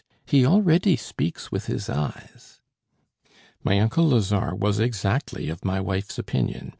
He already speaks with his eyes." My uncle Lazare was exactly of my wife's opinion.